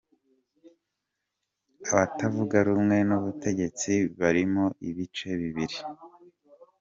Abatavuga rumwe n’ ubutegetsi barimo ibice bibiri.